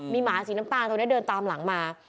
มีหมาสีน้ำตาลตัวนี้เดินตามหลังมา